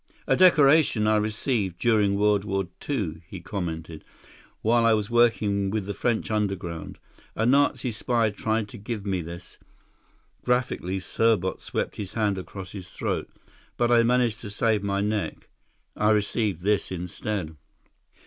"A decoration I received during World War Two," he commented, "while I was working with the French Underground. A Nazi spy tried to give me this—" Graphically, Serbot swept his hand across his throat—"but I managed to save my neck. I received this instead."